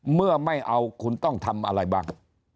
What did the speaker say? เมื่อไม่เอาคุณต้องทำอะไรบ้าง